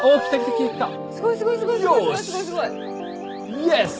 イエス！